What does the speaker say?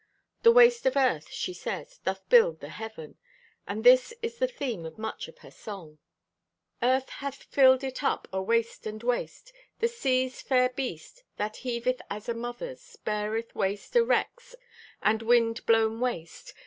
"The waste of earth," she says, "doth build the Heaven," and this is the theme of much of her song. Earth hath filled it up o' waste and waste. The sea's fair breast, that heaveth as a mother's, Beareth waste o' wrecks and wind blown waste.